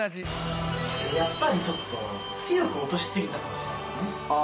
やっぱりちょっと強く落としすぎたかもしれないですね。